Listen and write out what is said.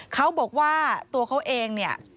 เขาบอกว่าตัวเขาเองเนี่ย